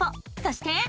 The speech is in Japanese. そして。